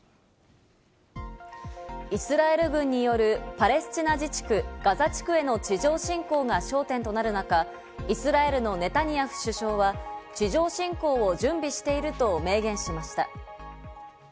イスラエル軍によるパレスチナ自治区ガザ地区への地上侵攻が焦点となる中、イスラエルのネタニヤフ首相は地上侵攻を準備していると明言しました。